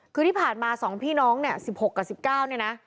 คือที่ผ่านมา๒พี่น้องเนี่ย๑๖กับ๑๙เนี่ยนะ